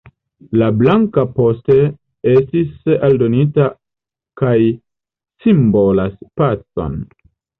La blanka poste estis aldonita kaj simbolas pacon.